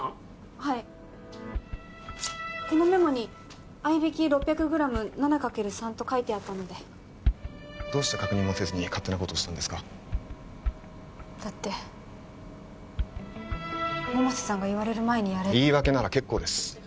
はいこのメモに「合い挽き６００ｇ７×３」と書いてあったのでどうして確認もせずに勝手なことをしたんですかだって百瀬さんが言われる前にやれって言い訳なら結構です